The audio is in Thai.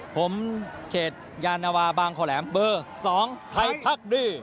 ผมเขตยานวาบางคอแหลมเบอร์๒ไทยพักดื้อ